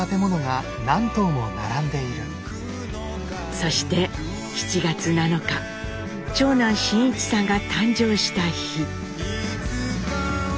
そして７月７日長男真一さんが誕生した日。